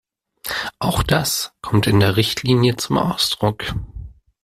Auch das kommt in der Richtlinie zum Ausdruck.